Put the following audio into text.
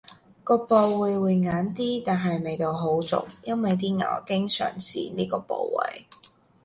個部位會硬啲，但係味道好足，因爲啲牛經常使呢個部位